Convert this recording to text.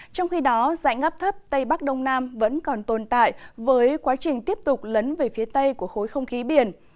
trong khi đó dãy ngắp thấp tây bắc đông nam vẫn còn tồn tại với quá trình tiếp tục lấn về phía tây của khối không khí biển